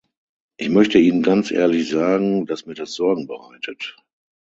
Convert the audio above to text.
Ich möchte Ihnen ganz ehrlich sagen, dass mir das Sorgen bereitet.